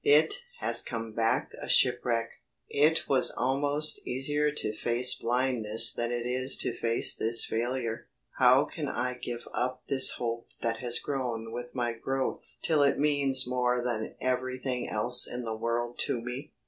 It has come back a shipwreck! It was almost easier to face blindness than it is to face this failure. How can I give up this hope that has grown with my growth till it means more than everything else in the world to me?